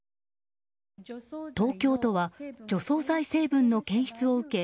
東京都は除草剤成分の検出を受け